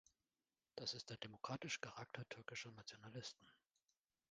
Das ist der demokratische Charakter türkischer Nationalisten!